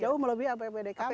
jauh melebihi apbd kami